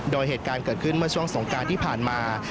โดยเหตุการณ์เกิดขึ้นเมื่อช่วงสงการที่ผ่านมา